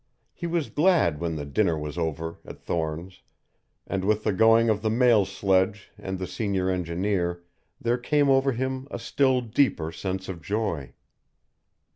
He was glad when the dinner was over at Thorne's, and with the going of the mail sledge and the senior engineer there came over him a still deeper sense of joy.